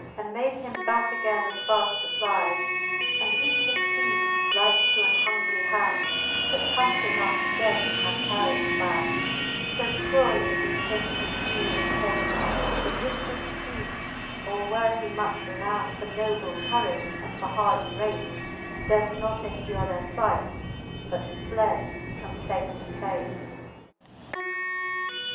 And made him backe againe as faft to fly \ And eke his fteeds like to an hungry hound, That hunting after game hath carrion found, So cruelly did him puriew and chace, That his good fteed, all were he much renound For noble courage, and for hardie race, Durft not endure their fight, but fled from place to place.